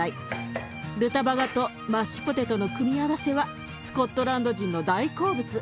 ルタバガとマッシュポテトの組み合わせはスコットランド人の大好物。